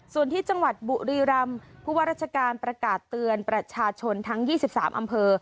ส่วนที่จังหวัดบุรีรำผู้ว่าราชการประกาศเตือนประชาชนทั้ง๒๓อำเภอ